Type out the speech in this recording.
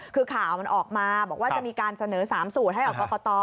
คือข่าวมันออกมาบอกว่าจะมีการเสนอ๓สูตรให้กับกรกต